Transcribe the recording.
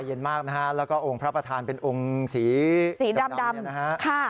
เย็นมากนะฮะแล้วก็องค์พระประธานเป็นองค์สีสีดำนะฮะ